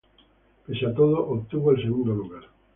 Pese a todo, obtuvo el segundo lugar.